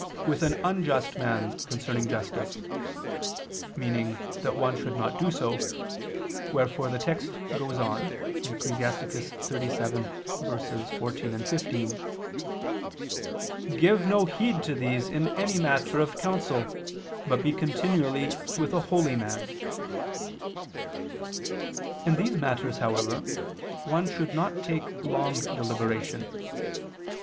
'], with an unjust man concerning justice," meaning that one should not do so, wherefore the text goes on (Ecclus. 37:14, 15), "Give no heed to these in any matter of counsel, but be continually with a holy man." In these matters, however, one should not take long deliberation.